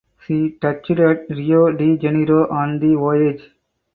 She touched at Rio de Janeiro on the voyage.